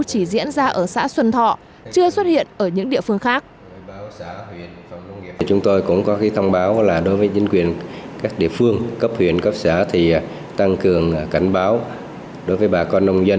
chỉ diễn ra ở xã xuân thọ chưa xuất hiện ở những địa phương khác